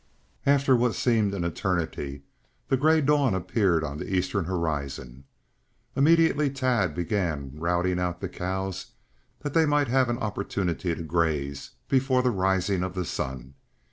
After what seemed an eternity, the gray dawn appeared on the eastern horizon. Immediately Tad began routing out the cows that they might have an opportunity to graze before the rising of the sun.